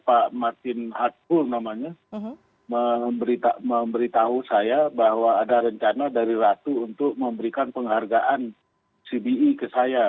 pak martin hatbul namanya memberitahu saya bahwa ada rencana dari ratu untuk memberikan penghargaan cbe ke saya